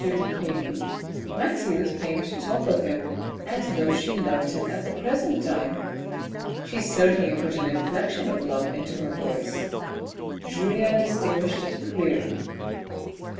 de Caylus, Mathilde came to talk of him, as though she loved him at the present time. She certainly put an inflection of love into her voice. Julien distinguished it clearly.